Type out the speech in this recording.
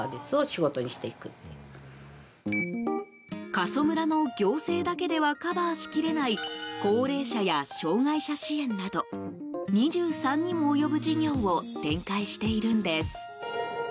過疎村の行政だけではカバーしきれない高齢者や障害者支援など２３にも及ぶ事業を展開しているんです。